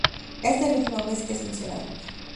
Esta es la última vez que es mencionado.